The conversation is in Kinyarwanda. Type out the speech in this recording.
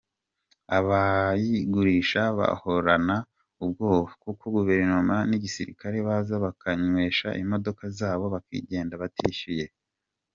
Abayigurisha bahorana ubwoba kuko Guverinoma n’igisirikare baza bakanywesha imodoka zabo bakagenda batishyuye.